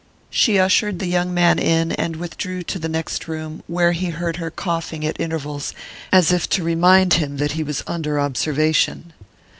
She ushered the young man in, and withdrew to the next room, where he heard her coughing at intervals, as if to remind him that he was under observation.